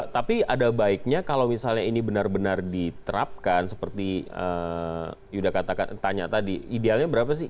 tapi ada baiknya kalau misalnya ini benar benar diterapkan seperti yuda katakan tanya tadi idealnya berapa sih